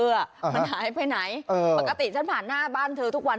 มันหายไปไหนปกติฉันผ่านหน้าบ้านเธอทุกวัน